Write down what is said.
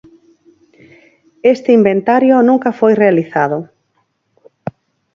Este inventario nunca foi realizado.